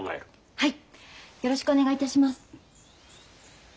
はい。